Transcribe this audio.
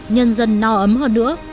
nhân dân no ấm hơn nữa